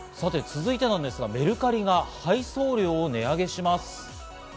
続いてですが、メルカリが配送料を値上げします。